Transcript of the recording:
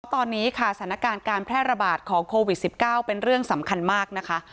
ตอนนี้ค่ะสถานการณ์การแพร่ระบาดของโควิด๑๙เป็นเรื่องสำคัญมากนะคะ